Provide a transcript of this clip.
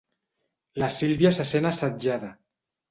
La Sílvia se sent assetjada.